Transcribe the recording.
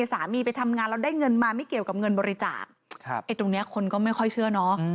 สามีไปทำงานแล้วได้เงินมาไม่เกี่ยวกับเงินบริจาคไอ้ตรงเนี้ยคนก็ไม่ค่อยเชื่อเนาะ